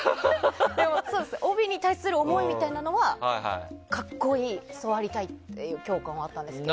でも帯に対する思いみたいなのは格好いい、そうありたいっていう共感はあったんですけど。